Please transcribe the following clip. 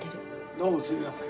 どうもすみません。